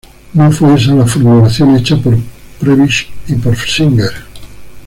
No fue esa la formulación hecha por Prebisch y por Singer.